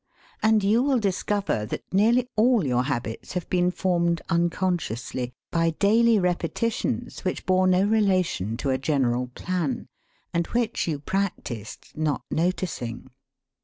And you will discover that nearly all your habits have been formed unconsciously, by daily repetitions which bore no relation to a general plan, and which you practised not noticing.